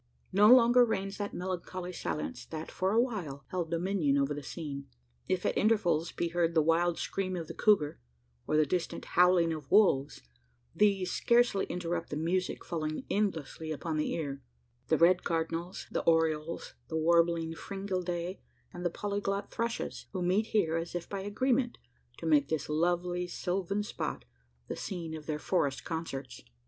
No longer reigns that melancholy silence that, for a while, held dominion over the scene. If, at intervals, be heard the wild scream of the couguar, or the distant howling of wolves, these scarcely interrupt the music falling endlessly upon the ear the red cardinals, the orioles, the warbling fringillidae, and the polyglot thrushes who meet here, as if by agreement, to make this lovely sylvan spot the scene of their forest concerts.